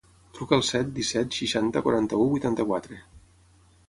Truca al set, disset, seixanta, quaranta-u, vuitanta-quatre.